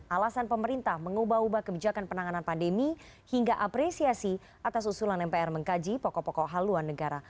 alasan pemerintah mengubah ubah kebijakan penanganan pandemi hingga apresiasi atas usulan mpr mengkaji pokok pokok haluan negara